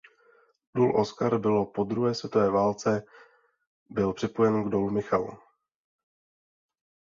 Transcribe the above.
Důl Oskar byl po druhé světové válce byl připojen k dolu Michal.